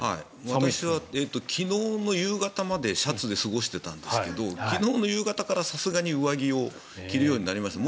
私は昨日の夕方までシャツで過ごしてたんですけど昨日の夕方からさすがに上着を着るようになりました。